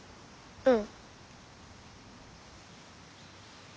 うん。